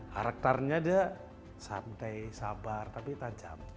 karakternya dia santai sabar tapi tajam